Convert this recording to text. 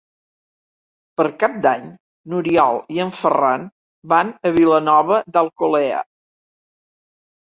Per Cap d'Any n'Oriol i en Ferran van a Vilanova d'Alcolea.